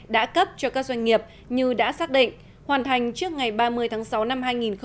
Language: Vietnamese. đã cấp cho các doanh nghiệp như đã xác định hoàn thành trước ngày ba mươi tháng sáu năm hai nghìn hai mươi